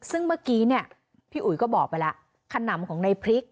ซึ่งเมื่อกี้เนี่ยพี่อุ๋ยก็บอกไปแล้วขนำของในพริก